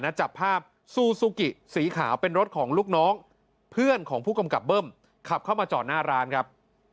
จับภาพซูซูกิสีขาวเป็นรถของลูกน้องเพื่อนของผู้กำกับเบิ้มขับเข้ามาจอดหน้าร้านครับ